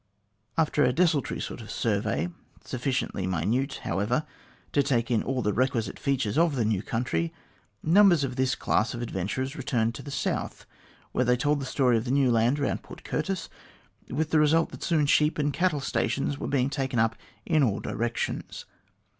After a desultory sort of survey sufficiently minute, how ever, to take in all the requisite features of the new country numbers of this class of adventurers returned to the South, where they told the story of the new land around Port Curtis, with the result that soon sheep and cattle stations. were being taken up in all directions.